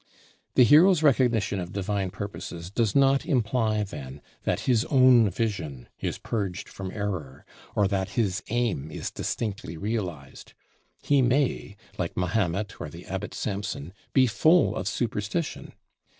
The hero's recognition of divine purposes does not imply then that his own vision is purged from error, or that his aim is distinctly realized. He may, like Mahomet or the Abbot Sampson, be full of superstition.